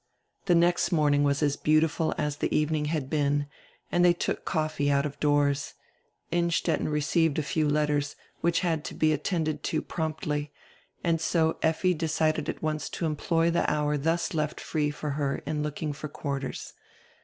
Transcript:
The next morning was as beautiful as the evening had been, and diey took coffee out of doors. Innstetten re ceived a few letters, which had to be attended to prompdy, and so Effi decided at once to employ die hour thus left free for her in looking for quarters.